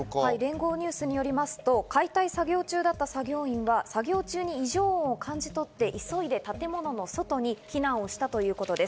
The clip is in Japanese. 聯合ニュースによりますと建物の解体作業中だった作業員は作業中に異常音を感じとり、急いで建物の外に避難をしたということです。